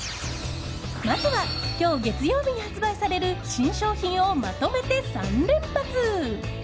まずは今日、月曜日に発売される新商品をまとめて３連発！